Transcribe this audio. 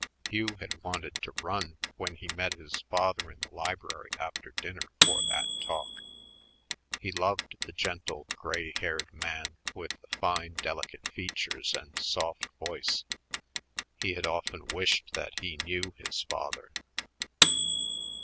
Hugh had wanted to run when he met his father in the library after dinner for that talk. He loved the gentle, gray haired man with the fine, delicate features and soft voice. He had often wished that he knew his father.